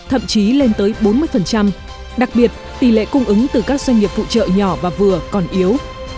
thậm chí lên tới bốn mươi đặc biệt tỷ lệ cung ứng từ các doanh nghiệp phụ trợ nhỏ và vừa còn yếu